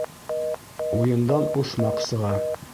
Уйындан уҫмаҡ сыға.